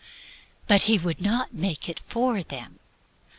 But He would not make it for them.